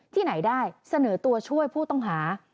ที่ไหนได้เสนอตัวช่วยผู้ต้องหา